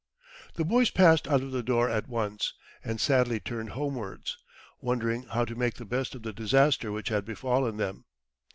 The boys passed out of the door at once, and sadly turned homewards, wondering how to make the best of the disaster which had befallen them.